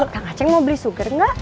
kang aceh mau beli sugar nggak